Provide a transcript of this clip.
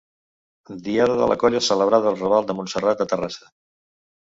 Diada de la Colla celebrada al Raval de Montserrat de Terrassa.